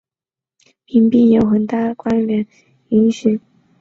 现在美国允许人民拥有枪枝的权利也与美国独立战争的民兵有很大关联。